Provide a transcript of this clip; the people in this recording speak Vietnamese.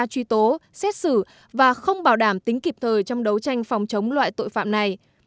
truy tố xét xử và không bảo đảm tính kịp thời trong đấu tranh phòng chống loại tội phạm này